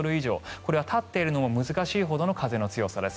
これは立っているのも難しいほどの風の強さです。